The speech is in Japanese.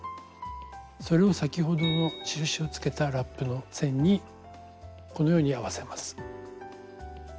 それを先ほどの印をつけたラップの線にこのように合わせます。